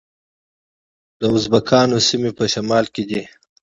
د ازبکانو سیمې په شمال کې دي